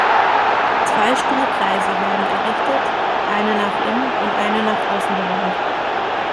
Zwei Stuhlkreise werden errichtet, einer nach innen und einer nach außen gewandt.